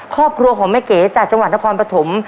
ครอบครัวของแม่เก๋จากจังหวัดนครปฐม